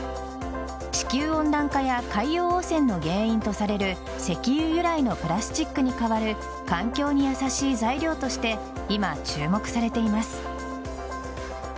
地球温暖化や海洋汚染の原因とされる石油由来のプラスチックに代わる環境に優しい材料として今、注目されています。